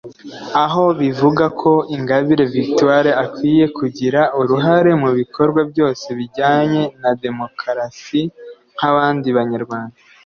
Aho bavuga ko Ingabire Victoire akwiye kugira uruhare mu bikorwa byose bijyanye na demukarasi nk’abandi Banyarwanda